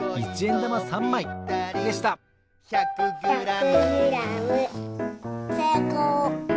１００グラムせいこう！